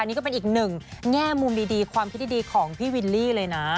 นี่ก็เป็นอีกหนึ่งแง่มุมดีความคิดดีของพี่วิลลี่เลยนะ